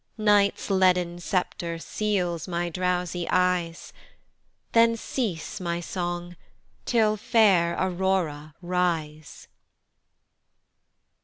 Night's leaden sceptre seals my drowsy eyes, Then cease, my song, till fair Aurora rise.